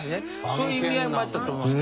そういう意味合いもあったと思います。